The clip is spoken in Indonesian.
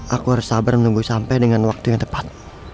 aku harus sabar menunggu sampai dengan waktu yang tepat